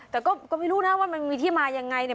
แต่ก็ไม่รู้นะว่ามันมีที่มายังไงเนี่ย